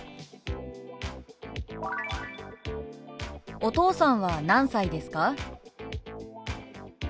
「お父さんは何歳ですか？」。